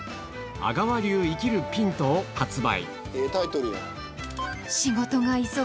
『アガワ流生きるピント』を発売